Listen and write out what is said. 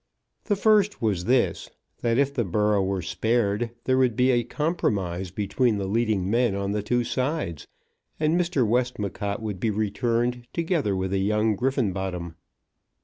The first was this, that if the borough were spared there would be a compromise between the leading men on the two sides, and Mr. Westmacott would be returned together with a young Griffenbottom.